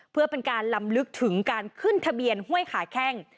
เพื่อเป็นการลำลึกถึงการขึ้นทะเบียนห้วยขาแข้ง